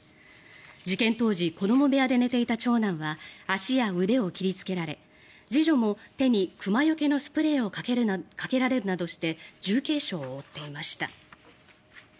事件当時子ども部屋で寝ていた長男は足や腕を切りつけられ次女も手に熊よけのスプレーをかけられるなどして重軽傷を負っていました。